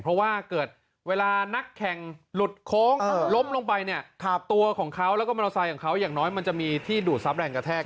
เพราะว่าเกิดเวลานักแข่งหลุดโค้งล้มลงไปเนี่ยตัวของเขาแล้วก็มอเตอร์ไซค์ของเขาอย่างน้อยมันจะมีที่ดูดทรัพย์แรงกระแทก